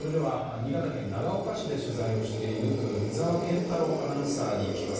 新潟県長岡市で取材している井澤健太朗アナウンサーに聞きます。